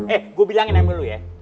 eh gue bilangin emang dulu ya